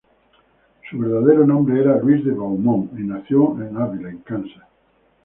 Su verdadero nombre era Louis de Beaumont, y nació en Abilene, Kansas.